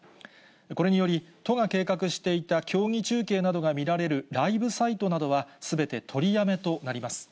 これにより、都が計画していた競技中継などが見られるライブサイトなどは、すべて取りやめとなります。